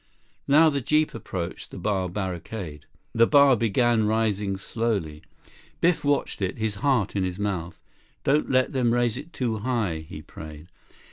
Now the jeep approached the bar barricade. The bar began rising slowly. Biff watched it, his heart in his mouth. "Don't let them raise it too high," he prayed.